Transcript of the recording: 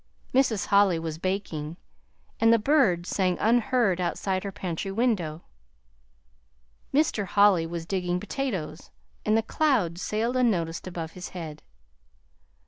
Mrs. Holly was baking and the birds sang unheard outside her pantry window. Mr. Holly was digging potatoes and the clouds sailed unnoticed above his head.